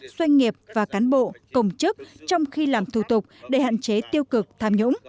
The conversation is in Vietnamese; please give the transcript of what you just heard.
doanh nghiệp và cán bộ công chức trong khi làm thủ tục để hạn chế tiêu cực tham nhũng